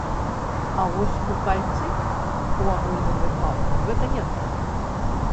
А вось у кальцы, у агульным выпадку, гэта не так.